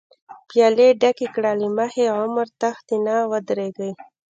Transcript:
پیالی ډکی کړه له مخی، عمر تښتی نه ودریږی